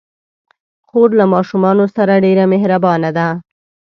خور له ماشومانو سره ډېر مهربانه ده.